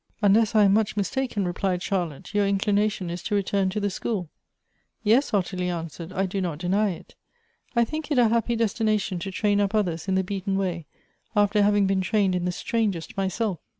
"Unless I am much mistaken," replied Charlotte, " your inclination is to return to the school." " Yes," Ottilie answered ;" I do not deny it. I think it a Jiajipy destination to train up others in the beaten way, .after having been trained in the strangest mjiself.